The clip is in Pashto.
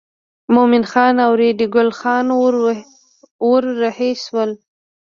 مومن خان او ریډي ګل خان ور رهي شول.